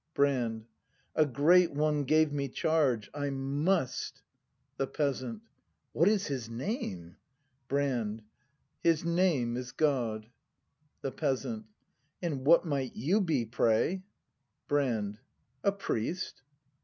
Brand. A great one gave me charge; I must. ACT I] BRAND 19 The Peasant. What is his name ? Brand. His name is God. The Peasant. And what might you be, pray ? Brand. A priest.